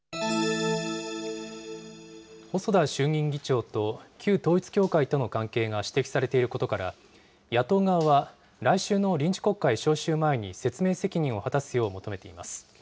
細田衆議院議長と旧統一教会との関係が指摘されていることから、野党側は来週の臨時国会召集前に説明責任を果たすよう求めています。